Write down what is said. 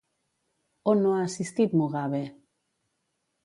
On no ha assistit Mugabe?